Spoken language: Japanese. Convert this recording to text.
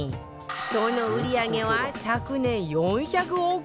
その売り上げは昨年４００億円超え！